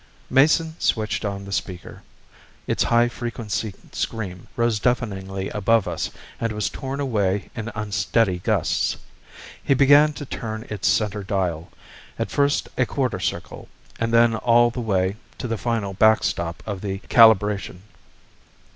Mason switched on the speaker. Its high frequency scream rose deafeningly above us and was torn away in unsteady gusts. He began to turn its center dial, at first a quarter circle, and then all the way to the final backstop of the calibration.